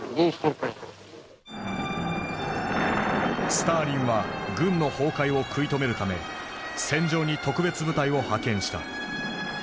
スターリンは軍の崩壊を食い止めるため戦場に特別部隊を派遣した。